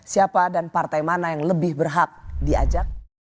siapa dan partai mana yang lebih berhak diajak